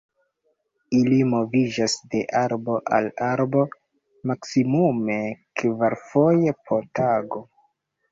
Ili moviĝas de arbo al arbo maksimume kvarfoje po tago.